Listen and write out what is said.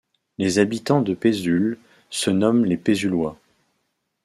Les habitants de Pezuls se nomment les Pezulois.